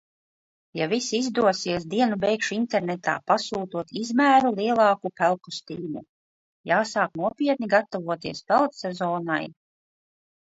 Ja viss izdosies, dienu beigšu internetā pasūtot izmēru lielāku peldkostīmu. Jāsāk nopietni gatavoties peldsezonai.